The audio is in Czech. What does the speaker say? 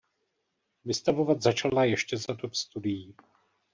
Vystavovat začala ještě za dob studií.